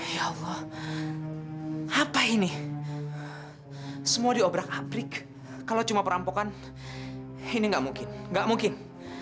ya allah apa ini semua diobrak aprik kalau cuma perampokan ini nggak mungkin nggak mungkin